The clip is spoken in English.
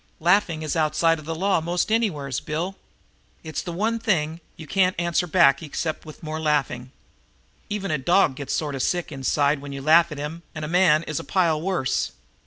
Laughing is outside the law most anywheres, Bill. It's the one thing you can't answer back except with more laughing. Even a dog gets sort of sick inside when you laugh at him, and a man is a pile worse.